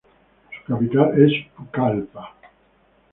Su capital es Pucallpa.